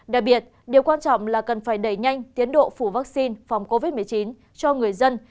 đặc biệt điều quan trọng là cần phải đẩy nhanh tiến độ phủ vaccine phòng covid một mươi chín cho người dân